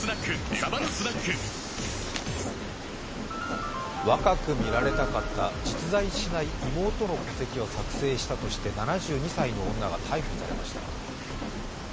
２１若く見られたかった、実在しない妹の戸籍を作成したとして７２歳の女が逮捕されました。